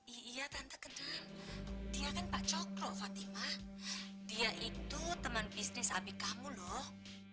iya tante kenal dia kan pak cokro fatimah dia itu teman bisnis abikamu loh